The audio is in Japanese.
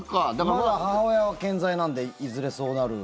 まだ母親は健在なんでいずれそうなる。